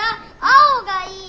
青がいい！